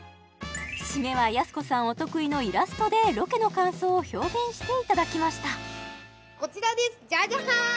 シメはやす子さんお得意のイラストでロケの感想を表現していただきましたこちらですじゃじゃん！